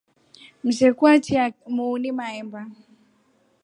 Msheku achya muuni mahemba.